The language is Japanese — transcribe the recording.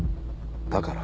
だから。